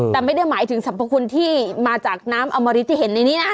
แต่ไม่ได้หมายถึงสรรพคุณที่มาจากน้ำอมริตที่เห็นในนี้นะ